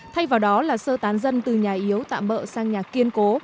thay vào đó là sơ tán dân từ nhà yếu tạm bỡ sang nhà kiên cố